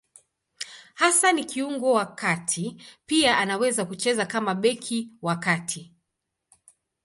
Hasa ni kiungo wa kati; pia anaweza kucheza kama beki wa kati.